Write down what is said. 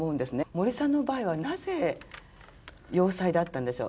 森さんの場合はなぜ洋裁だったんでしょう？